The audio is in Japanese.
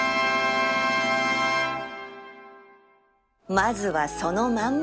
まずはそのまんま